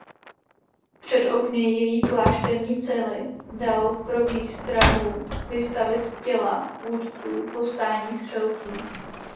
Před okny její klášterní cely dal pro výstrahu vystavit těla vůdců povstání střelců.